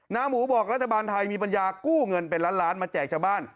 หมูบอกรัฐบาลไทยมีปัญญากู้เงินเป็นล้านล้านมาแจกชาวบ้าน